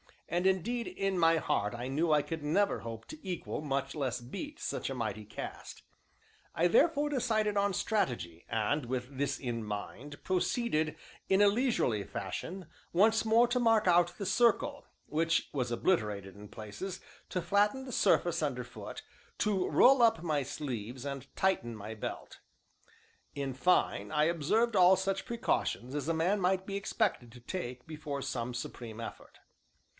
And indeed, in my heart I knew I could never hope to equal, much less beat, such a mighty cast. I therefore decided on strategy, and, with this in mind, proceeded, in a leisurely fashion, once more to mark out the circle, which was obliterated in places, to flatten the surface underfoot, to roll up my sleeves, and tighten my belt; in fine, I observed all such precautions as a man might be expected to take before some supreme effort.